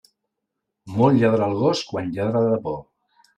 Molt lladra el gos quan lladra de por.